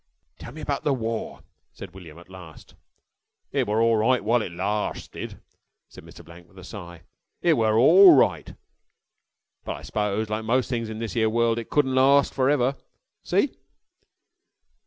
"Tell me about the war," said William at last. "It were orl right while it larsted," said Mr. Blank with a sigh. "It were orl right, but I s'pose, like mos' things in this 'ere world, it couldn't larst fer ever. See?"